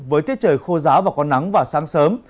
với tiết trời khô giáo và có nắng vào sáng sớm